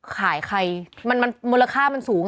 ขายใครมันมูลค่ามันสูง